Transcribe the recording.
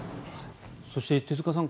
そして手塚さん